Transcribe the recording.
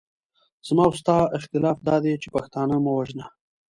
زما او ستا اختلاف دادی چې پښتانه مه وژنه.